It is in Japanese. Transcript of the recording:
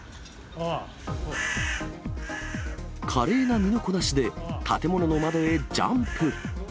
華麗な身のこなしで、建物の窓へジャンプ。